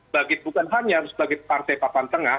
bagi bukan hanya sebagai partai papan tengah